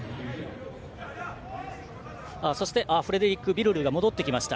フレデリック・ビルルーが戻ってきました。